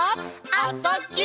「あ・そ・ぎゅ」